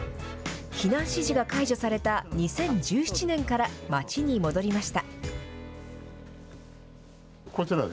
避難指示が解除された２０１７年から、町に戻りました。